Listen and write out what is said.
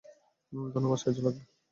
ধন্যবাদ সাহায্য লাগবে?